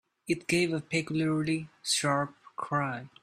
It gave a peculiarly sharp cry.